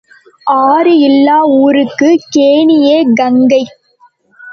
ஆறு இல்லா ஊருக்குக் கேணியே கங்கை.